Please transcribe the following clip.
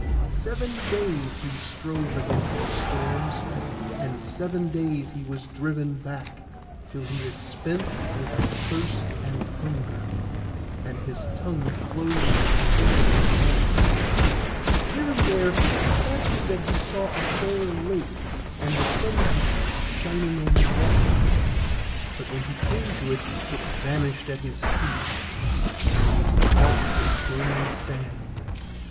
Seven days he strove against the storms, and seven days he was driven back, till he was spent with thirst and hunger, and his tongue clove to the roof of his mouth. Here and there he fancied that he saw a fair lake, and the sunbeams shining on the water; but when he came to it it vanished at his feet, and there was nought but burning sand.